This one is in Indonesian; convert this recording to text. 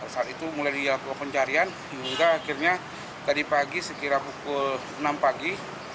saat itu mulai dilakukan pencarian hingga akhirnya tadi pagi sekira pukul enam pagi